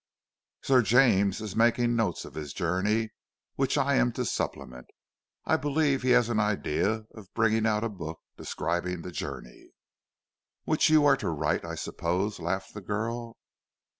Sir James is making notes of his journey which I am to supplement. I believe he has an idea of bringing out a book describing the journey!" "Which you are to write, I suppose?" laughed the girl.